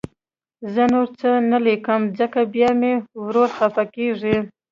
زه نور څه نه لیکم، ځکه بیا مې ورور خفه کېږي